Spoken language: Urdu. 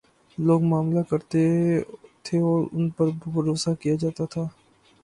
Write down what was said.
لوگ معاملہ کرتے تھے اور ان پر بھروسہ کیا جا تا تھا۔